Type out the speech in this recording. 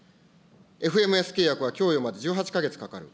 ＦＭＳ契約は供与まで１８か月かかる。